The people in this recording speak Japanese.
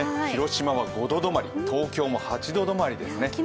広島は５度止まり、東京も８度止まりですね。